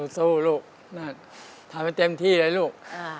สู้ลูกทำให้เต็มที่เลยลูก